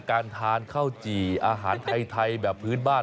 การทานข้าวจี่อาหารไทยแบบพื้นบ้าน